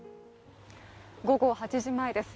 午後８時前です。